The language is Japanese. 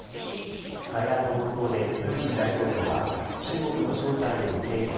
会談の冒頭でプーチン大統領は中国の招待を受け入れ